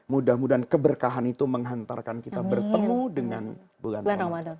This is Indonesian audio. mudah mudahan keberkahan itu menghantarkan kita bertemu dengan bulan ramadan